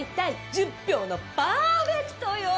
１０票のパーフェクトよ。